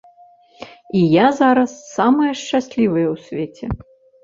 І я зараз самая шчаслівая ў свеце!